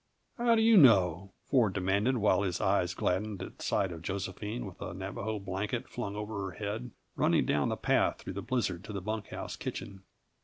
"How do you know?" Ford demanded, while his eyes gladdened at sight of Josephine, with a Navajo blanket flung over her head, running down the path through the blizzard to the bunk house kitchen.